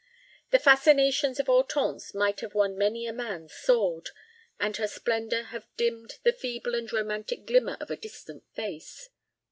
The fascinations of Hortense might have won many a man's sword, and her splendor have dimmed the feeble and romantic glimmer of a distant face.